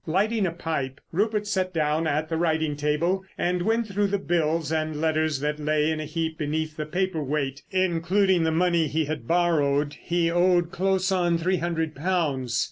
Lighting a pipe, Rupert sat down at the writing table, and went through the bills and letters that lay in a heap beneath the paper weight. Including the money he had borrowed, he owed close on three hundred pounds.